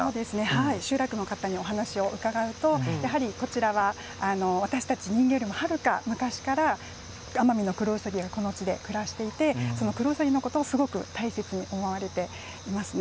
集落の方にお話を伺うとやはり、私たち人間よりはるかに昔からアマミノクロウサギはこの地で暮らしていてそのクロウサギのことを大切に思われていますね。